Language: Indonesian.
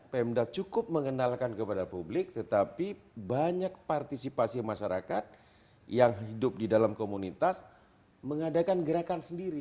pemda cukup mengenalkan kepada publik tetapi banyak partisipasi masyarakat yang hidup di dalam komunitas mengadakan gerakan sendiri